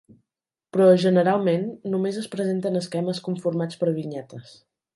Però, generalment, només es presenten esquemes conformats per vinyetes.